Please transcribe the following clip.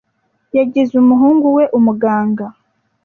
Yagize umuhungu we umuganga.